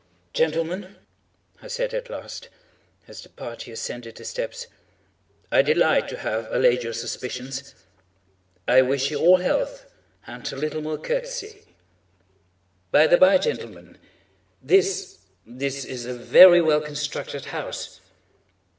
"Gentlemen," I said at last, as the party ascended the steps, "I delight to have allayed your suspicions. I wish you all health, and a little more courtesy. By the bye, gentlemen, this—this is a very well constructed house."